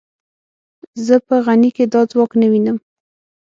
زه په غني کې دا ځواک نه وینم.